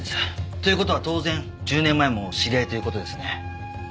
という事は当然１０年前も知り合いという事ですね。